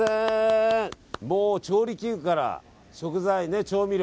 調理器具から、食材、調味料